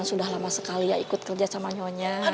sudah lama sekali ya ikut kerja sama nyonya